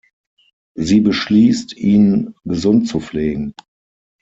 Sie beschließt, ihn gesund zu pflegen.